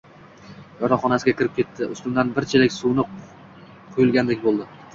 yotoqxonasiga kirib ketdi. Ustimdan bir chelak sovuq suv quyilgandek boʻldi.